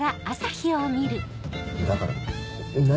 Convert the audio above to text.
だから何？